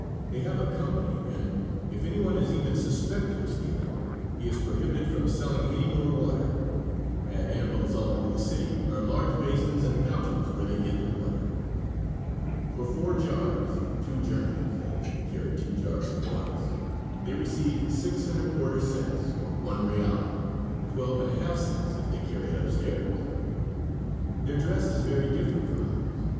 They have a company, and if any one is even suspected of stealing he is prohibited from selling any more water. At intervals all over the city are large basins and fountains where they get their water. For four jars, two journeys, as they carry two jars at once, they receive six and a quarter cents, or one real; twelve and a half cents if they carry it up stairs. Their dress is very different from others.